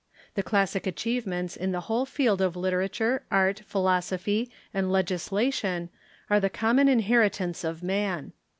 The classic achievements in the whole field of litera ture, art, philosophy, and legislation are the common inheri tance of man.